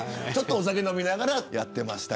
お酒を飲みながらやってました。